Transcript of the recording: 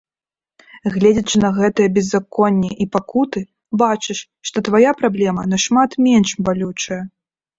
Гледзячы на гэтае беззаконне і пакуты, бачыш, што твая праблема нашмат менш балючая.